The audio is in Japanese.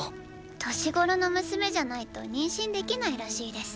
⁉年頃の娘じゃないと“にんしん”できないらしいです。